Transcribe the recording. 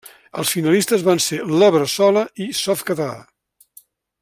Els finalistes van ser La Bressola i Softcatalà.